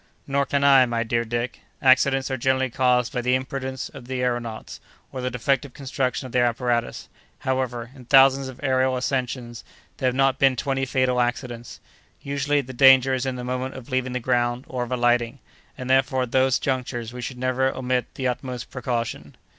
"Nor can I either, my dear Dick; accidents are generally caused by the imprudence of the aëronauts, or the defective construction of their apparatus. However, in thousands of aërial ascensions, there have not been twenty fatal accidents. Usually, the danger is in the moment of leaving the ground, or of alighting, and therefore at those junctures we should never omit the utmost precaution."